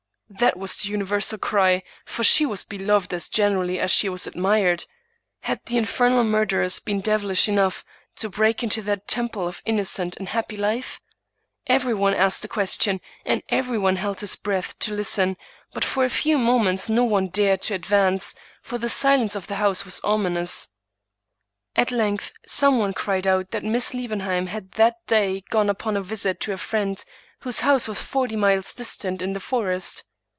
That was the universal cry; for she was beloved as generally as she was admired. Had the infernal murderers been devilish enough to break into that temple of innocent and happy life? Everyone asked the question, and everyone held his breath to listen; but for a few moments no one dared to advance; for the silence of the house was ominous. At length some one cried out that Miss Liebenheim had that day gone upon a visit to a friend, whose house was forty miles distant in the forest.